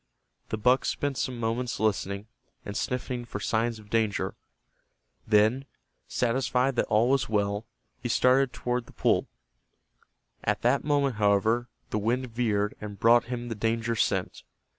The buck spent some moments listening, and sniffing for signs of danger. Then, satisfied that all was well, he started toward the pool. At that moment, however, the wind veered and brought him the danger scent.